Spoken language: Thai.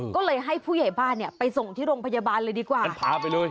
ก็เลยให้ผู้ใหญ่บ้านไปส่งที่โรงพยาบาลเลยดีกว่า